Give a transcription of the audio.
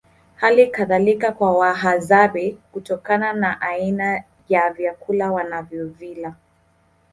Hali kadhalika kwa Wahadzabe kutokana na aina ya vyakula wanavyovila